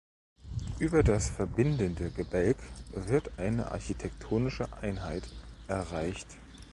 Über das verbindende Gebälk wird eine architektonische Einheit erreicht.